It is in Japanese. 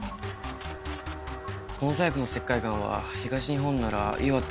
このタイプの石灰岩は東日本なら岩手